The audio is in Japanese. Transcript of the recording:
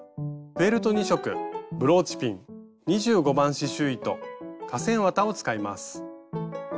フェルト２色ブローチピン２５番刺しゅう糸化繊綿を使います。